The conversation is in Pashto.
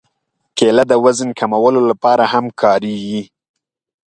کېله د وزن کمولو لپاره هم کارېږي.